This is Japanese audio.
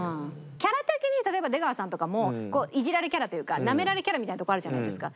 キャラ的に例えば出川さんとかもイジられキャラというかナメられキャラみたいなとこあるじゃないですか。